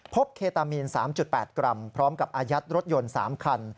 เคตามีน๓๘กรัมพร้อมกับอายัดรถยนต์๓คัน